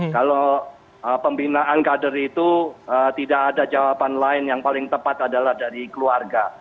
kalau pembinaan kader itu tidak ada jawaban lain yang paling tepat adalah dari keluarga